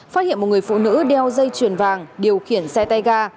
phát hiện một người phụ nữ đeo dây chuyền vàng điều khiển xe tay ga